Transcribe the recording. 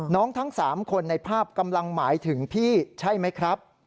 ทั้ง๓คนในภาพกำลังหมายถึงพี่ใช่ไหมครับ